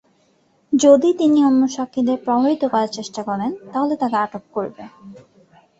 যদি তিনি অন্য সাক্ষীদের প্রভাবিত করার চেষ্টা করেন, তাহলে তাঁকে আটক করবে।